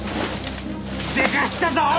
でかしたぞ青木！